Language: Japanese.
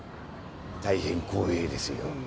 大変光栄ですよ。